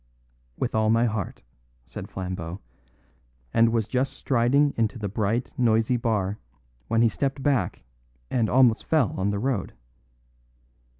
"With all my heart," said Flambeau, and was just striding into the bright, noisy bar when he stepped back and almost fell on the road.